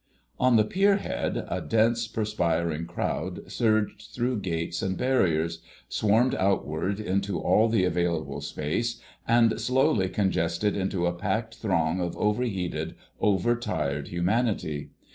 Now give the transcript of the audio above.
On the pier head a dense perspiring crowd surged through gates and barriers, swarmed outward into all the available space, and slowly congested into a packed throng of over heated, over tired humanity.